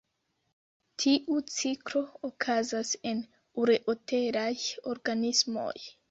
Tiu ciklo okazas en ureotelaj organismoj.